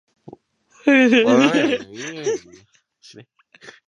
wfwarga